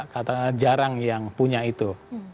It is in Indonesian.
katanya jarang yang punya itu